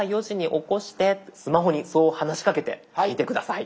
スマホにそう話しかけてみて下さい。